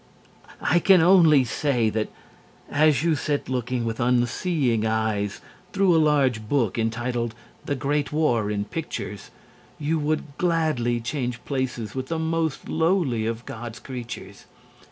I can only say that, as you sit looking, with unseeing eyes, through a large book entitled, "The Great War in Pictures," you would gladly change places with the most lowly of God's creatures.